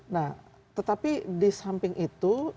nah tetapi di samping itu